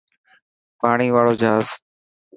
پاڻي واڙو جهاز.